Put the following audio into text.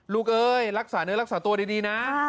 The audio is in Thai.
เอ้ยรักษาเนื้อรักษาตัวดีนะ